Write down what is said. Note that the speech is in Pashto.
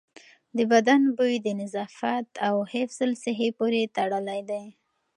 د بدن بوی د نظافت او حفظ الصحې پورې تړلی دی.